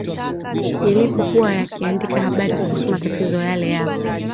yalivyokuwa yakiandika habari kuhusu matatizo yale ya